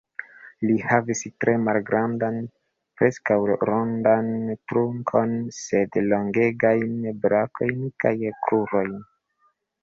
Li havis tre malgrandan, preskaŭ rondan trunkon, sed longegajn brakojn kaj krurojn.